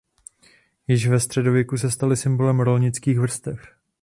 Již ve středověku se staly symbolem rolnických vrstev.